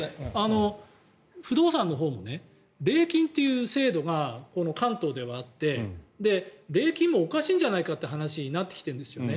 不動産のほうも礼金という制度が関東ではあって礼金もおかしいんじゃないかって話になってきてるんですよね。